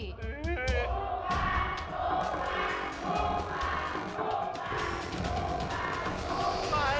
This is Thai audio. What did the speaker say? ถูกต่าง